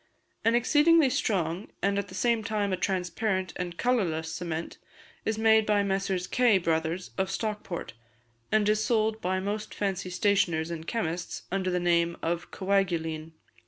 An exceedingly strong, and at the same time a transparent and colourless cement is made by Messrs. Kay Brothers, of Stockport, and is sold by most fancy stationers and chemists under the name of Coaguline.